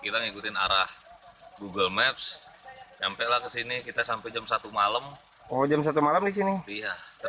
segitu apa yang terjadi saat pilgrimage ke jawa barat